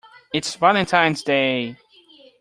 It's Valentine's Day!